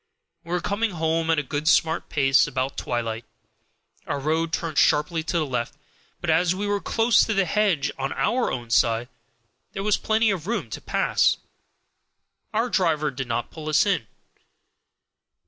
We were coming home at a good smart pace, about twilight. Our road turned sharp to the left; but as we were close to the hedge on our own side, and there was plenty of room to pass, our driver did not pull us in.